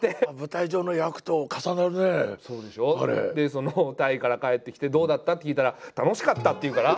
そのタイから帰ってきて「どうだった？」って聞いたら「楽しかった」って言うから。